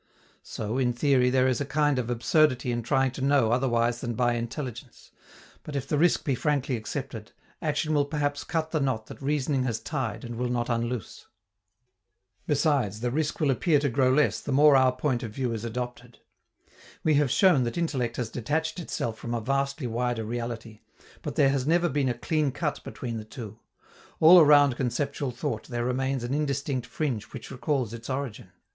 So, in theory, there is a kind of absurdity in trying to know otherwise than by intelligence; but if the risk be frankly accepted, action will perhaps cut the knot that reasoning has tied and will not unloose. Besides, the risk will appear to grow less, the more our point of view is adopted. We have shown that intellect has detached itself from a vastly wider reality, but that there has never been a clean cut between the two; all around conceptual thought there remains an indistinct fringe which recalls its origin.